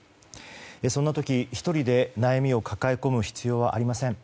そんな時、１人で悩みを抱え込む必要はありません。